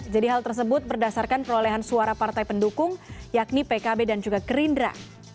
jadi hal tersebut berdasarkan perolehan suara partai pendukung yakni pkb dan juga gerindra